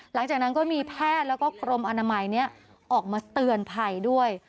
หลังจากนั้นก็มีแพทย์แล้วก็กรมอนามัยนี้ออกมาเตือนภัยด้วย